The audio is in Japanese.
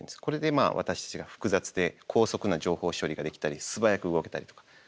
これで私たちが複雑で高速な情報処理ができたり素早く動けたりとか。